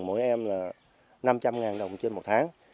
mỗi em là năm trăm linh đồng trên một tháng